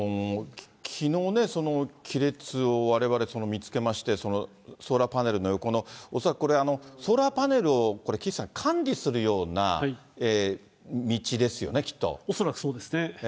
きのう、亀裂をわれわれ見つけまして、ソーラーパネルの横の、恐らくソーラーパネルをこれ、岸さん、管恐らくそうですね。